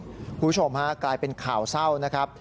คุณผู้ชมฮะกลายเป็นข่าวเศร้านะครับ